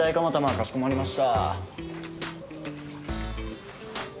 かしこまりました。